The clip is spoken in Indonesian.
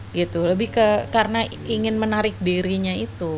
gitu lebih ke karena ingin menarik dirinya itu